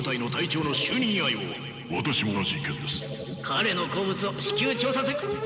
彼の好物を至急調査す。